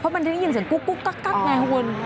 เพราะมันได้ยินเสียงกุ๊กกั๊กไงครับคุณ